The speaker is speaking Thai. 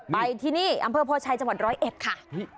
ไปที่นี่อำเภอโพชัยจังหวัดร้อยเอ็ดค่ะ